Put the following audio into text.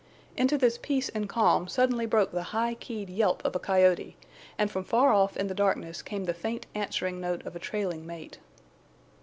Into this peace and calm suddenly broke the high keyed yelp of a coyote, and from far off in the darkness came the faint answering note of a trailing mate.